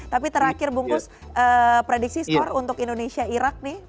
tapi terakhir bungkus prediksi skor untuk indonesia irak nih